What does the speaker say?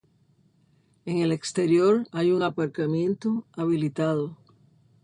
En el exterior hay un aparcamiento habilitado.